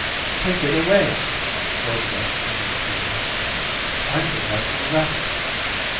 "Take it away," cried Beth exultingly. "I'm going to have a rabbit.